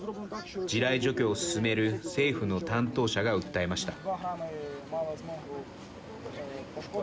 地雷除去を進める政府の担当者が訴えました。